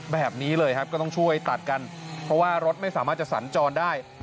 แบบนี้เลยครับก็ต้องช่วยตัดกันเพราะว่ารถไม่สามารถจะสัญจรได้